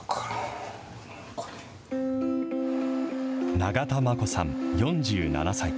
永田マコさん４７歳。